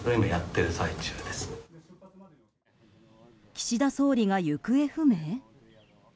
岸田総理が行方不明？